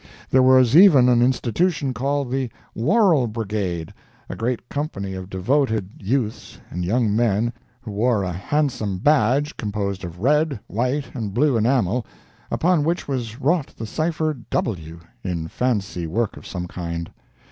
There was even an institution called the "WORRELL BRIGADE—a great company of devoted youths and young men who wore a handsome badge, composed of red, white and blue enamel, upon which was wrought the cipher "W." in fancy work of some kind.